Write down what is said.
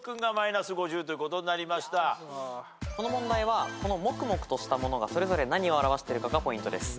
この問題はこのもくもくとしたものがそれぞれ何を表してるかがポイントです。